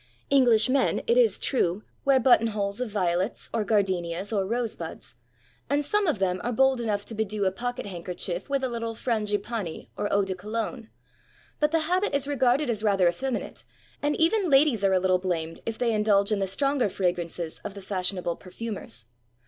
EngHsh men, it is true, wear buttonholes of violets, or gardenias, or rosebuds; and some of them are bold enough to bedew a pocket handkerchief with a Httle frangipani or eau de Cologne ; but the habit is regarded as rather effeminate, and even ladies are a little blamed if they indulge in the stronger fragrances of the fashionable perfumers.